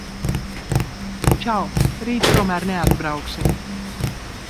Čau! Rīt tomēr neatbrauksim.